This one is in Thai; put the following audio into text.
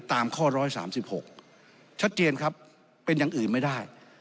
ตามข้อ๑๓๖ชัดเจนครับเป็นอย่างอื่นไม่ได้